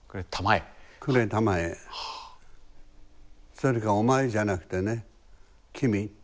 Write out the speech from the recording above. それからお前じゃなくてね君。